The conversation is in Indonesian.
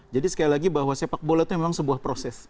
jadi sekali lagi bahwa sepak bola itu memang sebuah proses